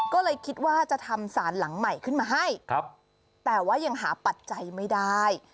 ก็เลยคิดว่าจะทำสารหลังใหม่ขึ้นมาให้ครับแต่ว่ายังหาปัจจัยไม่ได้